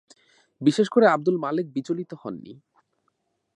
বিশেষ করে আবদুল মালেক বিচলিত হননি।